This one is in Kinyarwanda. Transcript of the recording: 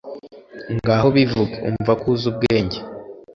ngaho bivuge, umva ko uzi ubwenge